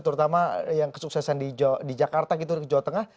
terutama yang kesuksesan di jakarta gitu di jawa tengah